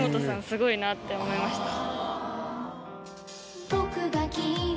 すごいなって思いました